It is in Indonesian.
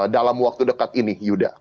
dalam waktu dekat ini yuda